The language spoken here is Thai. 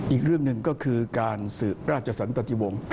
อีกเรื่องหนึ่งก็คือการสืบราชสันตติวงศ์